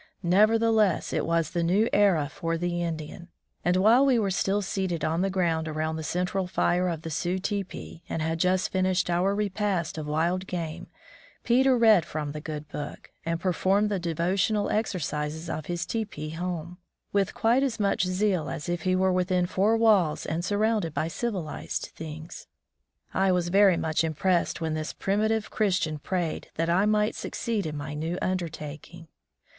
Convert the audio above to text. Neverthe less, it was the new era for the Indian ; and while we were still seated on the ground around the central fire of the Sioux teepee, and had just finished our repast of wild game, Peter read from the good book, and per formed the devotional exercises of his teepee home, with quite as much zeal as if he were within four walls and surrounded by civilized things. I was very much impressed when this primitive Christian prayed that I might succeed in my new undertaking.